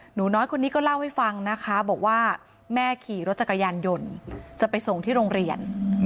หนูน้อยคนนี้ก็เล่าให้ฟังนะคะบอกว่าแม่ขี่รถจักรยานยนต์จะไปส่งที่โรงเรียน